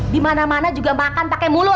di mana mana juga makan pakai mulut